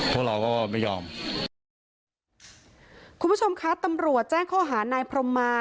พวกเราก็ไม่ยอมคุณผู้ชมคะตำรวจแจ้งข้อหานายพรมมา